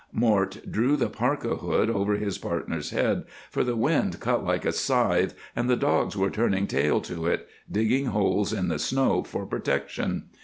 Mort drew the parka hood over his partner's head, for the wind cut like a scythe and the dogs were turning tail to it, digging holes in the snow for protection.